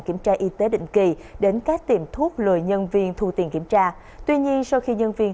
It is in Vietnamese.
kiểm tra y tế định kỳ đến các tiệm thuốc lùi nhân viên thu tiền kiểm tra tuy nhiên sau khi nhân viên